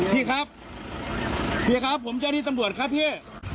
พี่ครับพี่ครับผมเจ้าหน้าที่ตำรวจครับพี่